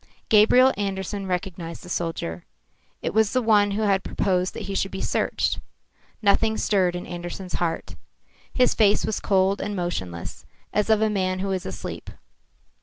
Gabriel Andersen recognised the soldier. It was the one who had proposed that he should be searched. Nothing stirred in Andersen's heart. His face was cold and motionless, as of a man who is asleep.